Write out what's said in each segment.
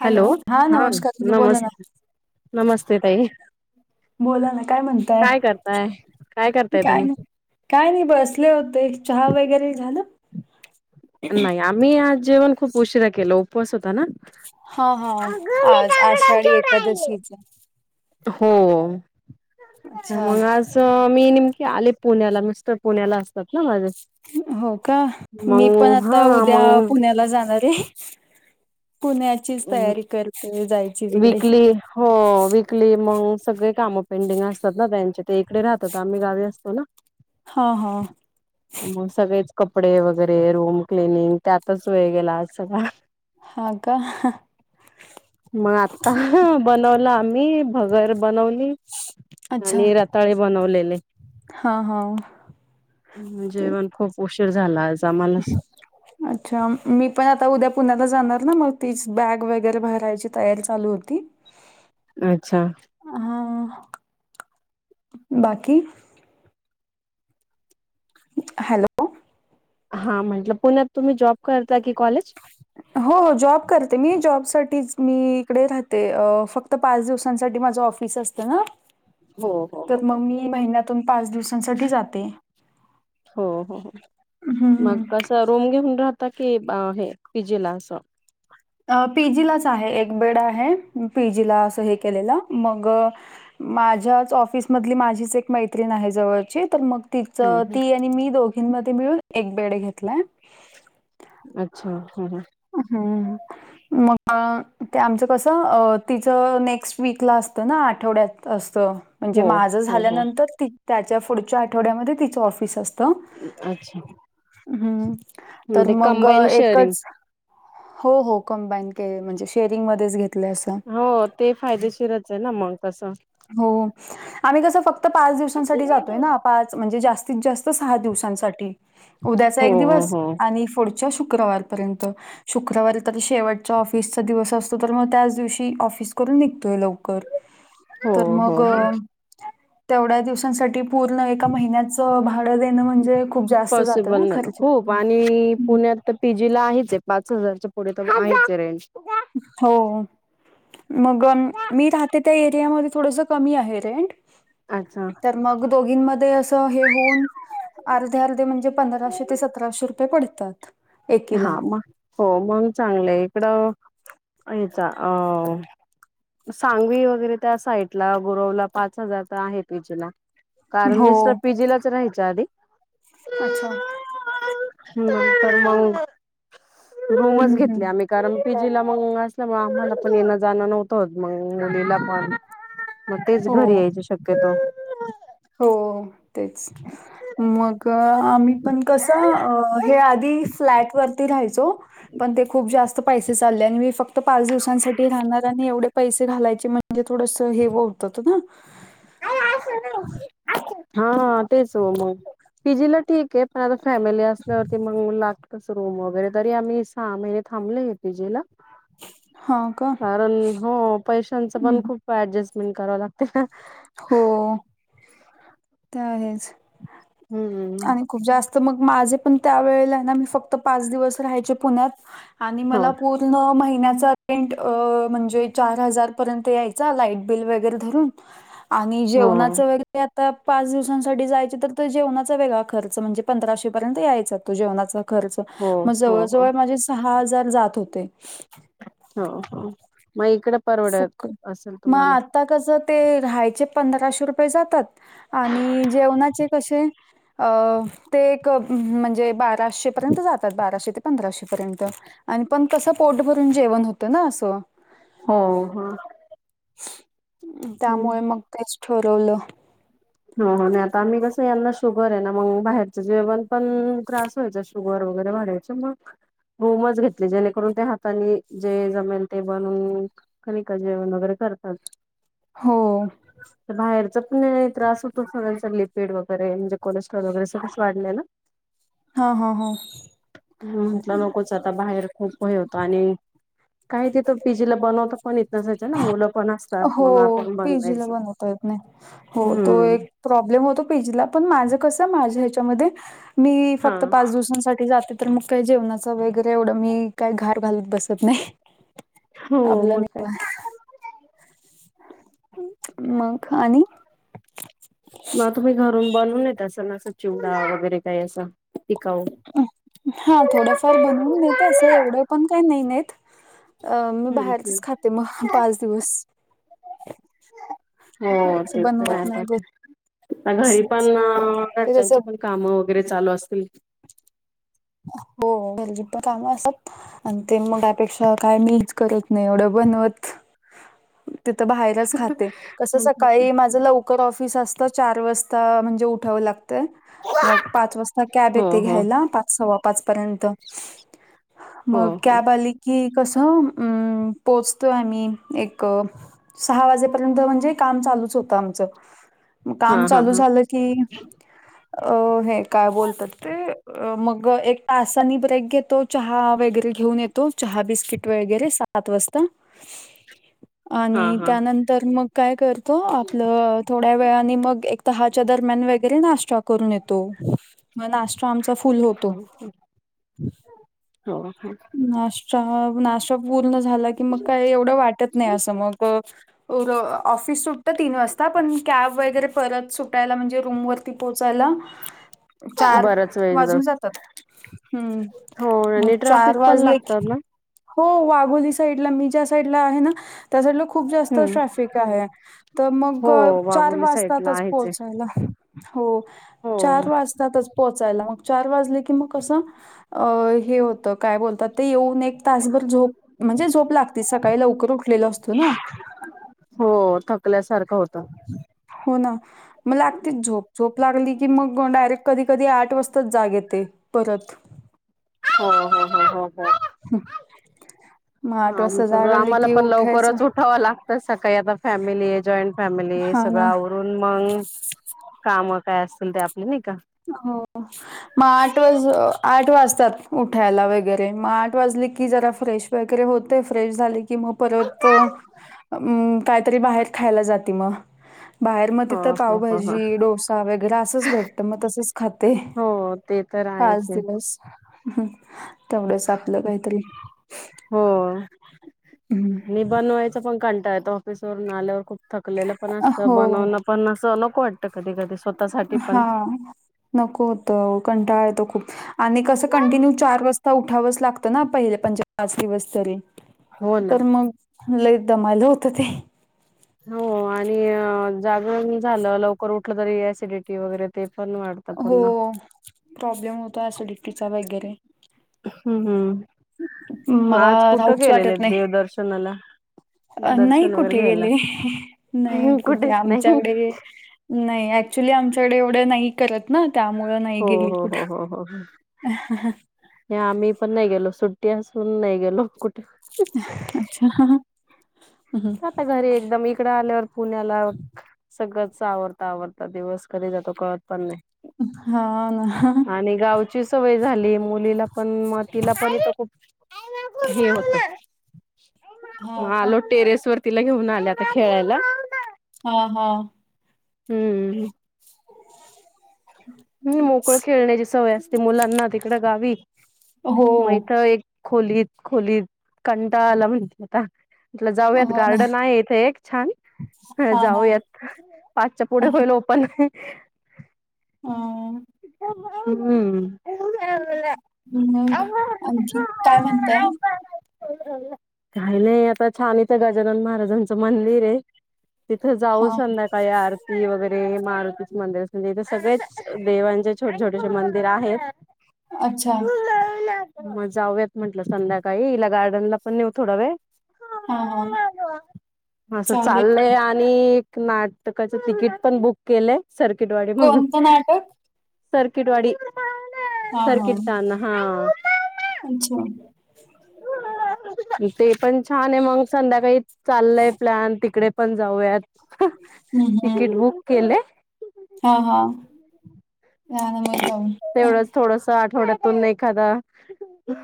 Hello, हा नमस्कार दीदी नमस् बोला ना. नमस्ते ताई बोला ना? काय म्हणताय, काय करताय करताय काय तुम्ही नाही काय नाही, बसले होते चहा वगैरे झालं? नाही, आम्ही आज जेवण खूप उशिरा केला उपवास होता ना. हा हा आज आषाढी एकादशीच. हो अच्छा म्हणुन आज. च मी नेमकी आले पुण्याला, मिस्टर पुण्याला असतात ना माझे. हो का? मी पण मग हा आता उद्या मग पुण्याला जाणार आहे. पुण्याचीच तयारी करते, जायची तिकडे वीकली हो वीकली मग सगळे कामं पेंडिंग असतात ना त्यांचे, ते इकडे राहतात, आम्ही गावी असतो ना? हा, हा म सगळेच कपडे वगैरे, रूम क्लिनिंग, त्यातच वेळ गेला आज सगळा. हा, का? मग आता बनवला आम्ही, भगर बनवली अच्छा आणि रत ताळे बनवलेले हा, हा म ते जेवण, खूप उशीर झाला आज. [inaudible] [inaudible] अच्छा, मी पण आता उद्या पुण्याला जाणार, मग तीच बॅग वगैरे भरायची, तयारी चालू होती. अच्छा हा, बाकी? हॅलो हा म्हटलं, पुण्यात तुम्ही जॉब करता की कॉलेज? हो - हो जॉब करते मी, जॉबसाठीच मी इकडे राहते, अ फक्त पाच दिवसांसाठी माझं ऑफ फीस असत ना? [inaudible] हो हो तर म हो मी महिन्यातून पाच दिवसांसाठी जाते. हो -हो -हो हं, मग हं. कसं रूम घेऊन राहता की हे पीजीला असं? अ पीजीलाच आहे, एक बेड आहे, पीजीला असं हे केलेलं, मग माझ्याच ऑफिसमधली, माझीच एक मैत्रीण आहे जवळची, तर मग हम्म तिचं हम्म. ती आणि मी दोघींमध्ये मिळून, एक बेड घेतलाय. अच्छा, हा -हा अं हम्म मग, ते आमचं कसं, तिचं नेक्स्ट वीकला असतं ना, आठवड्यात असतं म्हणजे हो माझं हो हो झाल्यानंतर ती त्याच्या पुढच्या आठवड्यामध्ये तीचं ऑफिस असतं. त, अच्छा हम्, तर म्हणजे मग कंबाईन शेअरिंग एकच हो -हो कंबाईन केलं, म्हणजे शेअरिंग मध्येच घेतलंय असं. हो, ते फायदेशीरच आहे ना मग, तसं हो, आम्ही कसं, फक्त पाच दिवसांसाठी जातोय ना? पाच म्हणजे जास्तीत जास्त सहा दिवसांसाठी, उद्याचा हो एक हो दिवस हो आणि फुड च्या शुक्रवार पर्यंत त, शुक्रवारी तरी शेवटचा ऑफिसचा दिवस असतो, तर मग त्याच दिवशी ऑफिस करून, निघतोय लवकर. [inaudible] तर हो मग, हो तेवढ्या दिवसांसाठी पूर्ण एका महिन्याच, भाडं देणं म्हणजे, खूप जास्त जातं पॉसिबल ना, खूप आणि [unintelligible] पुण्यात तर पीजीला आहेच आहेत, पाच हजारच्या पुढे तर आहेच रेंज हो, मग मी राहते त्या एरियामध्ये थोडंस कमी आहे रेंट. अच्छा. तर मग दोघींमध्ये असं हे होऊन. अर्धे अर्धे म्हणजे पंधराशे ते सतराशे रुपये पड़तात. हा मग हो मग चांगलंय. इकडं याचा अ सांगवी वगैरे त्या साईड ला गुरवला पाच हजार तर आहे पी जी ला. कारण मि सर हो. पीजीलाच राहायच्या आधी. अच्छा. नंतर मग रूम च हम्म हम्म घेतला आम्ही. कारण पी जीला मग असल्यामुळे आम्हाला पण येणं जाणं नव्हतं मंग मुलीला पण मग तेच घरी हो. यायची शक्यतो. हो तेचं. मंग आम्ही पण कसं हे आधी फ्लॅट वरती राहायच. पण ते खूप जांस्त चालले मी फक्त. पांच दिवसांसाठी राहणार आणि एवढे पैसे घालायचे म्हणजे थोडसं हे व होतं ना. हां तेच हो मग पीजीला ठीक आहे. पण आता फॅमिली अस्तमुल्लात. तस रूम वगैरे. तरी आम्ही सहा महिने थांबलेय पी जी ला. हां का. कारण हो पैशांच पण हम्म खूप ऍडजस्टमेंट करावं लागते ना. हो तंर आहेच. हम्म आणि खूप जास्त मग माझे पण त्या वेळेला आहे ना मी फक्त. पाच दिवस राहायचे पुण्यात आणि हो मला पू नऊ महिन्याच्या पेमेंट अ म्हणजे चार हजारपर्यंत यायचा लाईट बिल वगैरे धरून. [unintelligible] आणि हो जेवणाचं वगे आता पाच दिवसांसाठी जायचे तर जेवणा. चलेगा खर्च म्हणे पंदरा सौह पर्यंत यायचा त जेवना कर्ज हो हो जवळ हो जवळ माझे हा हजार जांत होते. हो हो मग इकड. फुक माग आता कसं ते राहायचे पंधराशे रुपये जातात. आणि जेवणाचे कसे अ ते एक म्हणजे बा सराशे पर्यंत जात बाराशे ते पंधराशे पर्यंत आणि पण कसं पोट भरून जेवण होतं ना असं. हो ह त्यामुळे मग तेच ठरवलं. हो नाही. आता आम्ही कसं यांना शुगर आहे ना मग बाहेरच जेवण पण त्रास व्हायचा शुगर वगैरे वाढयच. मग रूमच घेतले जेणेकरून ते हातानी जे जमेल ते बनून. कनिका जेवण वगैरे करतात. हो बाहेरचं चपने. त्रास होतोगचं लिपेड वगैरे म्हणजे कोलेस्ट्रॉल वगैरे सगळं वाढलेय ना. हा हा हा ह म्हटलं नकोच आता बाहेर खूप वय होत आणि काही तथ पीजीला बनवता पण येत नसायचं ना मुलं पण असतात हो मग आपण पीजीला बनवायचं. बनवता येत हो तो हम्म एक प्रॉब्लेम होतो पेजीला पण माझं कस माझ्या ह्याच्यामध्ये. मी हा फक्त पाच दिवसांसाठी जाते. तर मग काही जेवणाच वगैरे एवढं मी काही घार घालत बसत नाही. हो, आपलं मग काय? मग आणि म तुम्ही घरून बनवून नेता सगळं असं, चिवडा वगैरे काही असं, टिकाऊ हा थोडंफार बनवून नेते असं, एवढं पण काय नाही नेत. अं मी हम्म हम्म बाहेरचच खाते मग पाच दिवस. असं बनवत नाही घर आता घरी पण ते कसं घरच्यांचे पण काम वगैरे चालू असतील. हो घरचे पण काम असतात आणि ते मग अपेक्षा काय मीच करत नाही एवढं बनवत. तिथं बाहेरच खाते कसं सकाळी माझं लव कर ऑफिस असतं चार वाजता म्हणजे उठावं लागतं. मग पाच वाजता कॅब हो येते हो घ्यायला पाच सव्वा पाच पर्यंत हो मग हो कॅब आली की कसं अं पोहोचतो आम्ही एक सहा वाजेपर्यंत म्हणजे काम चालूच होतं आमचं. हा काम हा चालू हा झालं की अ हे काय बोलतात ते मग एक तासानी ब्रेक घेतो चहा वगैरे घेऊन येतो, चहा बिस्किट वगैरे सात वाजता [inaudible] आणि हा त्यानंतर मग काय करतो आपलं थोडया वेळानी मग एक दहाच्या दरम्यान वगैरे नाश्ता करून येतो. मग नास्ता आमचा फुल हो [inaudible] हो नाश्ता नाश ते पूर्ण झाल कि मग काय एवढ वाटत नाही असं मग ऑफिस सुटत तीन वाजता पण कॅब वगैरे परत सुटायला म्हणजे रूमवरती पोहोचायला चार बराच वेळ वाजून जातात. हम्म हो मग आणि चार ट्राफिक पण वाजले लागतात कि ना हो वाघोली साईडला मी ज्या साईडला आहे ना त्या साईडला खूप जास्त हम्म सॅफिक आहे. तर हो मग चार वाघोली साईड ला वाजतातच आहेच आहे पोहोचायला, हो हो चार वाज तातच पोहोचायला मग चार वाजले की मग कसं अ हे होत काय बोलतात ते येऊन एक तासभर झोप म्हणजे झोप लागतीच सकाळी लवकर उठलेलो असतो ना. हो थकल्या सारखं होत. हो ना. मग लागतीच झोप, झोप लागली की मग डायरेक्ट कधी कधी आठ वाजताच जाग येते. परत हो हो हो हो. मग आठ वाजता आमचं भी जाग आली आम्हाला की पण उठायचं लवकरच उठाव ला तर सकाळी आता फॅमिलीय, जॉईंट फॅमिलीय हा सगळं ना आव रून मंग काम काय असतील ते आपले नायका. हो. मग आठ वाज आठ वाजतात उठायला वगैरे मग आठ वाजले की जरा फ्रेश वगैरे होते फ्रेश झाले की कि मग परत कायतरी बाहेर खायला जाते मग बाहेर मग हो तिथं हो हो हो पावभाजी, डोसा वगैरे असंच भेट तर मग तसच खाते हो ते तर आहेच पाच आहे दिवस तेवढंच आपलं काहीतरी. हो हम्म. आणि बनवायचा पण कंटाळा येतो ऑफिसवरून आल्यावर खूप. थकलेला पण असतं हो बनवणं पण असं नको वाटतं कधी कधी. स्वतःसाठी हा पण नको होत कंटाळा येतो खूप. आणि कसं कंटिन्यू चार वाजता उठावंच लागतं ना पहिले पं पाच दिवस तरी? हो ना तर मग लई दमालो होतं ते हो आणि अ... जागरण झालं लवकर उठलं तरी ऍसिडिटी वगैरे ते पण वाढत हो पण ना प्रॉब्लेम होता ऍसिडिटीचा वगैरे हम्म.. हम्म.. मग मला आज कुठं राहुशी गेलेले वाटत नाही. देवदर्शनाला अ.. नाही दर्शन वगैरे कुठे घ्यायला गेले.. ह्.. नाही कुठे कुठेच नाही आमच्याकडे नाही ऍक्च्युली आमच्याकडे एवढे नाही. करत ना त्यामुळ नाही हो गेल हो कुठ हो हो हो ह्... आम्ही पण नाही गेलो सुट्टी असून नाही गेलो.. कुठ अच्छा.. हा.. हा... आता घरी एकदम इकडं आल्यावर पुण्याला सगळंच आवर आवडता दिवस कधी जातो कळत पण नाही. हा ना आणि गावची सवय झाली मुलीला पण मग तिला पण इथ खूप हे होत.. हा मग का आलो टेरेस तर घेऊन आल्या आता खेळायला. हा.. हा.. हम्म हु.. मोकळ खेळण्याची सवय असते मुलांना तिकड गावी हो मग इथ एक खोलीत.. खोलीत कंटाळा आला म्हणती आता म्हटलं जाऊयात हो ना गार्डन आहे इथे एक.. छान.. हा हा जाऊयात. पाचच्या पुढे होईल ओपन ह्.. ह्.. अ.. ह्म्म् मग.. आणखीन ताय म्हणताय. काही नाही आता छान इथं गजानन महाराजांच मंदिर आहे. तिथं जाऊ हा संध्याकाळी आरती वगैरे मारुतीचे मंदिर अस म्हणजे इथे सगळ्याच देवां जे छोटे छोटेसेे मंदिर आहेत. अच्छा.. मग जाऊयात म्हटलं संध्याकाळी ईला गार्डनला पण नऊ थोडा वेळ. हा हा असं चालेल चाललंय की. आण यनी नाटकाच तिकीट पण बुक केलंय.. सर्किट वाले म्हणून कोणतं नाटक सर्किट वाडी.. हा हा सर्किट तान.. हा अच्छा.. ते पण छान आहे मग संध्याकाळी चाललंय प्लॅन तिकडे पण जाऊयात. हम्म.. तिकीट हम्म.. बुक केले हा.. हा.. त्यामुळ पाहून. तेवढंच थोडस आठवड्यातून एखादा..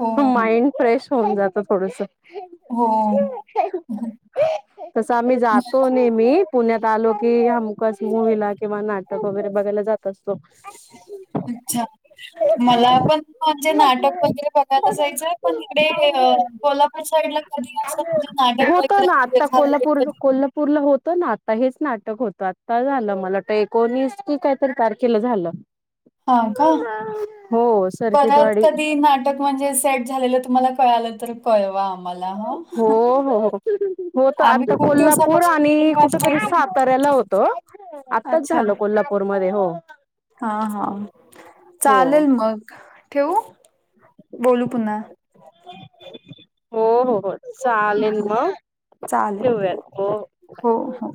हो, माइंड ह्.. फ्रेश होऊन जातं थोडसं हो. तस आम्ही मला जातो नेहमी मी पुण्यात आलो की हमकस मुविला किंवा नाटक वगैरे बघायला जात असतो. अच्छा.. मला पण म्हणजे नाटक वगैरे बघायला जायचंय पण इकडे.. अ.. कोल्हापूर साईडला कधी असं म्हणजे नाटक वगैरे [inaudible] झाालंय कधी. पूरलं होतं ना आता हेच नाटक होतं आता झालं मला वाटत एकोणीस की कायतर तारखेला झालं हा काय हो परत सर्किटवाडी कधी नाट क म्हणजे सेट झालेल तुम्हाला कळालं तर कळवा आम्हाला हां. हो हो हो होत आम्ही आता खूप कोल्हापूर दिवसापासून आणि मी कुठ माझी तरी मैत्रीण साताऱ्याला होत आत्ताच झालं कोल्हापूर मध्ये हो हा हा हो चालेल मग ठेवू बोलू पुन्हा हो हो हो चालेल मग चालेल. ठेऊयात हो हो हो